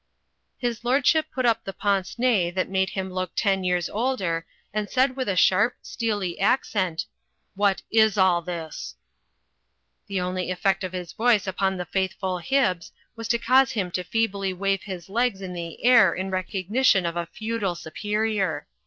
His lordship put up the pince nez that made him look ten years older, and said with a sharp, steely ac cent, "What is all this?" The only effect of his voice upon the faithful Hibbs was to cause him to feebly wave his legs in the air in recognition of a feudal superior.